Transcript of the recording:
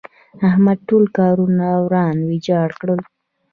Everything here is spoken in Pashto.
احمد ټول کارونه وران ويجاړ کړل.